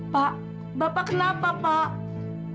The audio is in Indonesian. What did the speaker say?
pak bapak kenapa pak